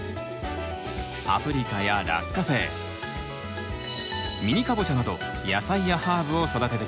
パプリカやラッカセイミニカボチャなど野菜やハーブを育ててきました。